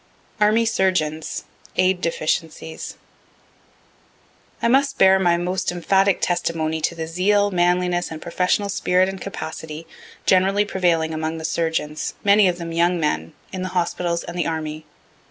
ARMY SURGEONS AID DEFICIENCIES I must bear my most emphatic testimony to the zeal, manliness, and professional spirit and capacity, generally prevailing among the surgeons, many of them young men, in the hospitals and the army.